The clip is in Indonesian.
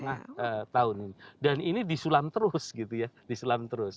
satu setengah tahun ini dan ini disulam terus gitu ya disulam terus